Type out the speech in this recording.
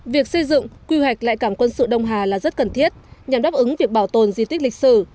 việc xây dựng quy hoạch lại cảng quân sự đông hà là rất cần thiết nhằm đáp ứng việc bảo tồn di tích lịch sử